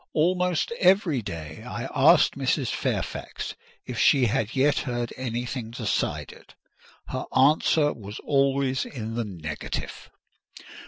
Almost every day I asked Mrs. Fairfax if she had yet heard anything decided: her answer was always in the negative.